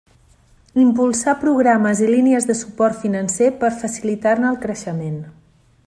Impulsà programes i línies de suport financer per facilitar-ne el creixement.